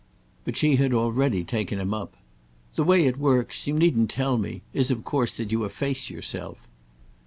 But she had already taken him up. "The way it works—you needn't tell me!—is of course that you efface yourself."